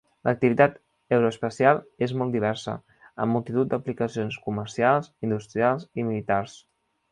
L'activitat aeroespacial és molt diversa, amb multitud d'aplicacions comercials, industrials i militars.